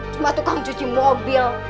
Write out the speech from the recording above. cuma tukang cuci mobil